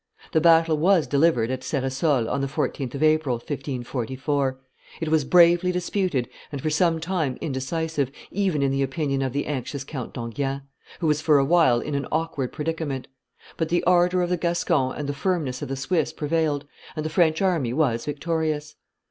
The battle was delivered at Ceresole on the 14th of April, 1544; it was bravely disputed and for some time indecisive, even in the opinion of the anxious Count d'Enghien, who was for a while in an awkward predicament; but the ardor of the Gascons and the firmness of the Swiss prevailed, and the French army was victorious.